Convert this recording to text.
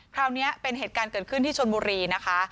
คราวนี้เป็นเหตุการณ์เกิดขึ้นที่ชนบุรีนะคะ